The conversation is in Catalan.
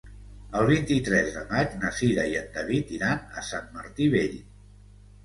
El vint-i-tres de maig na Cira i en David iran a Sant Martí Vell.